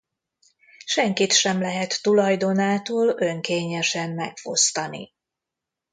Senkit sem lehet tulajdonától önkényesen megfosztani.